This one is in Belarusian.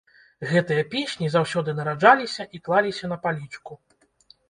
Гэтыя песні заўсёды нараджаліся і клаліся на палічку.